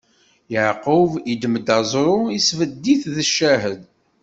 Yeɛqub iddem-d aẓru, isbedd-it d ccahed.